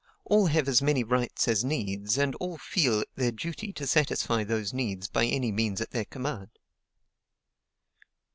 All have as many rights as needs, and all feel it their duty to satisfy those needs by any means at their command."